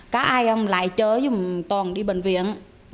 có ai không lại chơi dùm toàn đi bệnh viện